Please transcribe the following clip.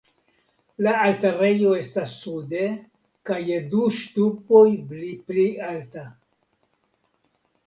La altarejo estas sude kaj je du ŝtupoj pli alta.